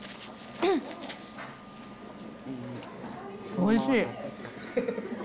おいしい。